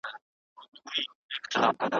موږ د نوي مهارت په لټه کي یو.